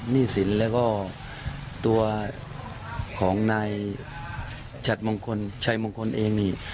หนี้สินแล้วก็ตัวของนายชายมงคลเองนี่